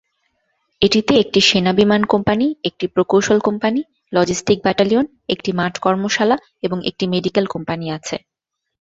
এটিতে একটি সেনা বিমান কোম্পানি, একটি প্রকৌশল কোম্পানি, লজিস্টিক ব্যাটালিয়ন, একটি মাঠ কর্মশালা এবং একটি মেডিকেল কোম্পানি আছে।